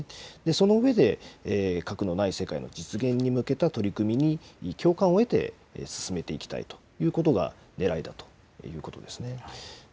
その上で、核のない世界の実現に向けた取り組みに共感を得て進めていきたいということがねらいだということですね。